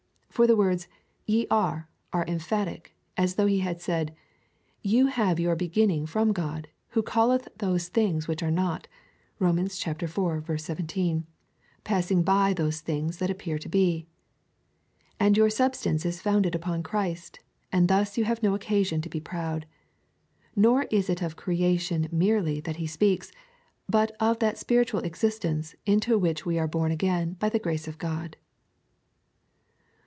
For the words ye are are emphatic, as though he had said —" You have your beginning from God, who calleth those things which are not," (Rom. iv. 1 7,) passing by those things that appear to be ; and your subsistence is founded upon Christ, and thus you have no occasion to be proud. Nor is it of creation merely that he speaks, but of that spiritual existence, into which we are born again by the grace of God.